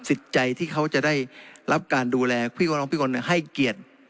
สิทธิ์ใจที่เขาจะได้รับการดูแลพี่คนน้องพี่คนนั้นให้เกียรติ